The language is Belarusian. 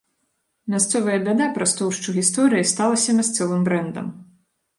Мясцовая бяда праз тоўшчу гісторыі сталася мясцовым брэндам.